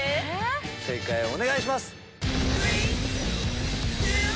正解お願いします。